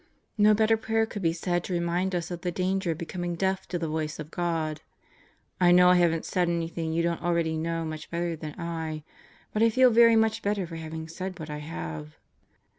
No better prayer could be said to remind us of the danger of becoming deaf to the voice of God. ... I know I haven't said anything you don't already know much better than I; but I feel very much better for having said what I have.